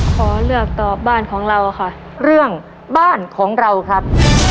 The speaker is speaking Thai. ขอเลือกตอบบ้านของเราค่ะเรื่องบ้านของเราครับ